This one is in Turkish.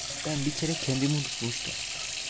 Ben bir kere kendimi unutmuştum.